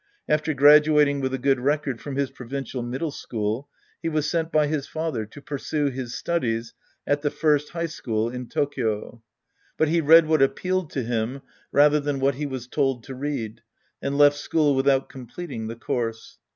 After graduating with a good record from his provincial middle school, he was sent by his father to pursue his studies at the First High School in Tokyo. But he read what appealed to him rather than what he was told to read and left school without completing ' the course.